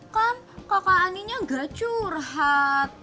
kan kakak aninya gak curhat